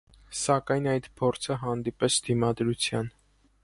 Սակայն այդ փոսրձը հանդիպեց դիմադրության։